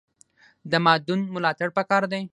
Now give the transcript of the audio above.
د مادون ملاتړ پکار دی